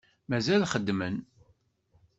Mazal xeddmen.